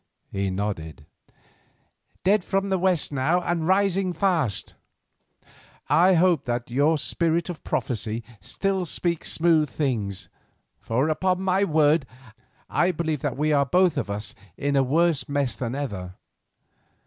He nodded. "Dead from the west, now, and rising fast. I hope that your spirit of prophecy still speaks smooth things, for, upon my word, I believe we are both of us in a worse mess than ever."